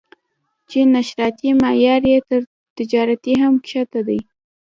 چې نشراتي معیار یې تر تجارتي هم ښکته دی.